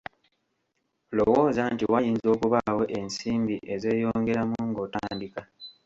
Lowooza nti wayinza okubaawo ensimbi ezeeyongeramu ng’otandika.